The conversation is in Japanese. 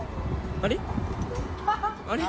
あれ？